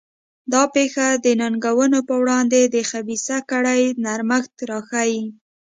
دا پېښه د ننګونو پر وړاندې د خبیثه کړۍ نرمښت راښيي.